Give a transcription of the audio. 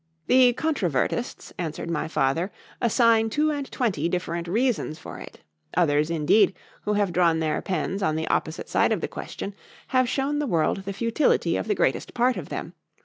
The controvertists, answered my father, assign two and twenty different reasons for it:—others, indeed, who have drawn their pens on the opposite side of the question, have shewn the world the futility of the greatest part of them.